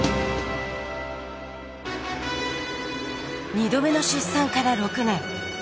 ２度目の出産から６年。